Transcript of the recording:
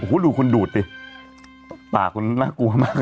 โอ้โหดูคุณดูดดิปากคุณน่ากลัวมาก